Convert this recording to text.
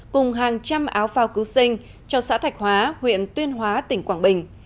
cùng hàng trăm áo phao cứu sinh cho xã thạch hóa huyện tuyên hóa tỉnh quảng bình